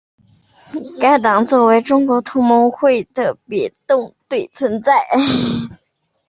该党作为中国同盟会的别动队存在。